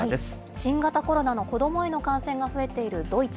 新型コロナの子どもへの感染が増えているドイツ。